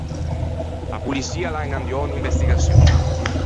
A poliçia a l’à inandiou unn’investigaçion.